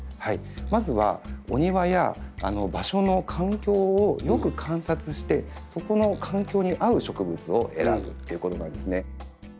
まずはお庭や場所の環境をよく観察してそこの環境に合う植物を選ぶっていうことなんですね。